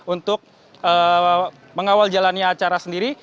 untuk mengawal jalannya acara sendiri